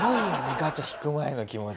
ガチャ引く前の気持ち。